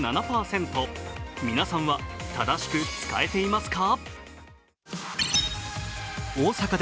皆さんは正しく使えていますか？